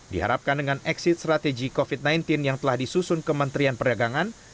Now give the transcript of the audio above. diharapkan dengan exit strategy covid sembilan belas yang telah disusun kementerian perdagangan